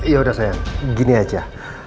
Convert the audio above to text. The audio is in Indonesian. yaudah sayang gini aja